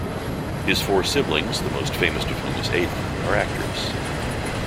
His four siblings, the most famous of whom is Aidan, are actors.